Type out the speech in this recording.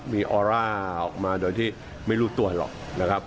มีออร่าออกมาโดยที่ไม่รู้ตัวหรอกนะครับ